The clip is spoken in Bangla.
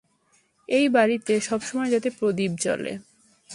এই বাড়িতে-- সবসময় যাতে প্রদীপ জ্বলে।